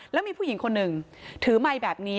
แล้วมีผู้หญิงคนหนึ่งถือไมค์แบบนี้